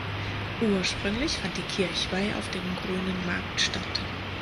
Ursprünglich fand die Kirchweih auf dem Grünen Markt statt.